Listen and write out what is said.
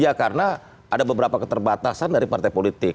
ya karena ada beberapa keterbatasan dari partai politik